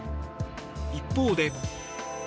一方で。